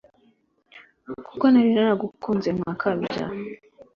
Kuko nari naragukunze ndakabya